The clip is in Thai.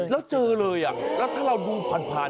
แล้วเจอเลยแล้วถ้าเราดูผ่าน